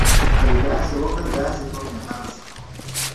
که دي داسي وکړل داسي کوم يا هغسي کوم.